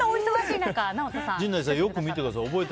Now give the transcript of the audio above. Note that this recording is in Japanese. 陣内さん、よく見てください。